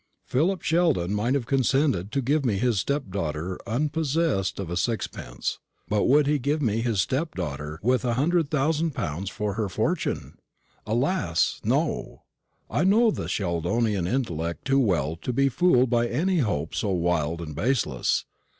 Philip Sheldon might have consented to give me his stepdaughter unpossessed of a sixpence; but would he give me his stepdaughter with a hundred thousand pounds for her fortune? Alas! no; I know the Sheldonian intellect too well to be fooled by any hope so wild and baseless.